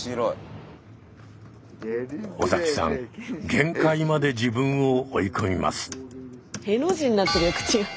限界まで自分を追い込みます。